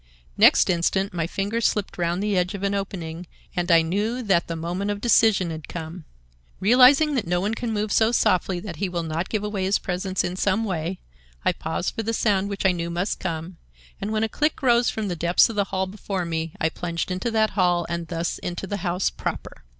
Next instant my fingers slipped round the edge of an opening, and I knew that the moment of decision had come. Realizing that no one can move so softly that he will not give away his presence in some way, I paused for the sound which I knew must come, and when a click rose from the depths of the hall before me I plunged into that hall and thus into the house proper.